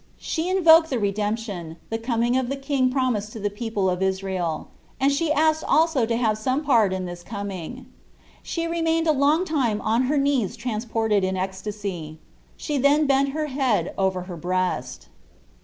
She invoked the redemption, the coming of the King promised to the people of Israel, and she asked also to have some part in this coming. She remained a long time on her knees transported in ecstasy. She then bent her head over her breast.